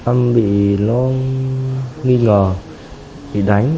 em bị lo nghi ngờ bị đánh